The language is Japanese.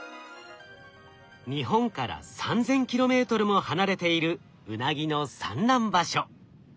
日本から３，０００ｋｍも離れているウナギの産卵場所。